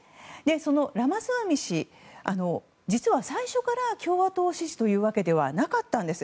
そのラマスワミ氏実は最初から共和党支持というわけではなかったんです。